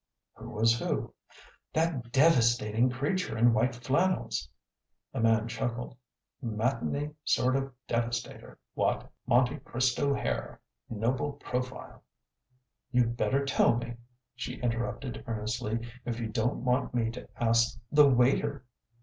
"Who was who?" "That DEVASTATING creature in white flannels!" The man chuckled. "Matinee sort of devastator what? Monte Cristo hair, noble profile " "You'd better tell me," she interrupted earnestly "if you don't want me to ask the WAITER."